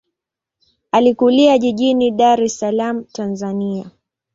Alikulia jijini Dar es Salaam, Tanzania.